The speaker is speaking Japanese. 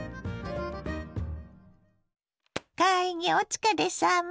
会議お疲れさま。